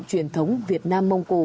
truyền thống việt nam mông cổ